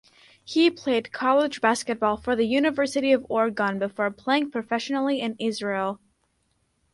He played college basketball for the University of Oregon before playing professionally in Israel.